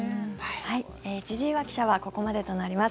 千々岩記者はここまでとなります。